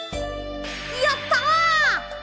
やった！